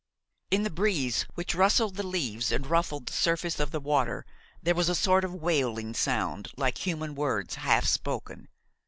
In the breeze which rustled the leaves and ruffled the surface of the water there was a sort of wailing sound like human words half spoken.